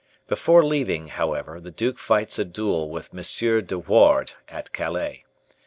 Before leaving, however, the duke fights a duel with M. de Wardes at Calais.